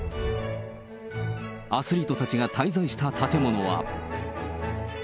アスリートたちが滞在した建物は。